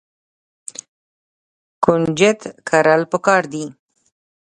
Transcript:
کنجد کرل پکار دي.